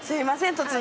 突然。